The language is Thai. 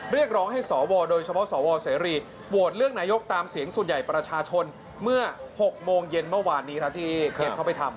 เรียกร้องให้สวโดยเฉพาะสวเสรีโหวตเลือกนายกตามเสียงส่วนใหญ่ประชาชนเมื่อ๖โมงเย็นเมื่อวานนี้ครับที่เกมเข้าไปทำ